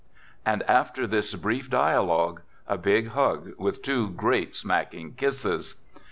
And after this brief dia logue, a big hug with two great smacking kisses.